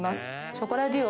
ショコラデュオ